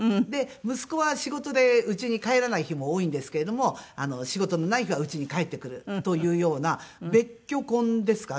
息子は仕事でうちに帰らない日も多いんですけれども仕事のない日はうちに帰ってくるというような別居婚ですか？